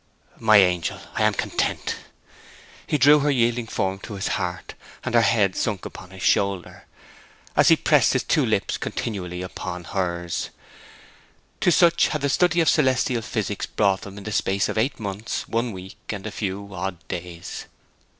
'My angel, I am content!' He drew her yielding form to his heart, and her head sank upon his shoulder, as he pressed his two lips continuously upon hers. To such had the study of celestial physics brought them in the space of eight months, one week, and a few odd days.